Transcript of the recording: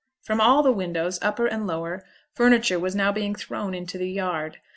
From all the windows, upper and lower, furniture was now being thrown into the yard.